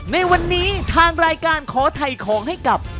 ในวันนี้ทางรายการขอถ่ายของให้กับ